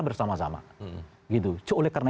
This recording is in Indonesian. bersama sama gitu oleh karena